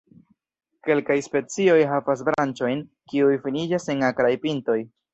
Kelkaj specioj havas branĉojn, kiuj finiĝas en akraj pintoj.